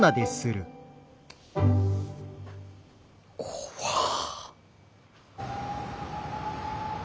怖っ。